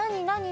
何？